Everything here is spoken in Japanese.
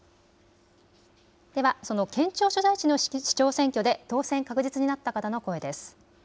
ではその県庁所在地の市長選挙で当選確実になった方の声です。